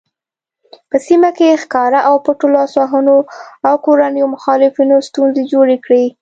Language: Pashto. په سیمه کې ښکاره او پټو لاسوهنو او کورنیو مخالفتونو ستونزې جوړې کړې.